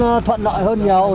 nó thuận lợi hơn nhiều